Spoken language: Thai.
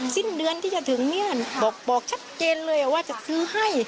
สิ้นเดือนที่จะถึงเนี่ยบอกชัดเจนเลยว่าจะซื้อให้